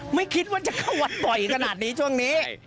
ไม่คิดว่าจะเข้าวัดต่อยขนาดนี้ช่วงนี้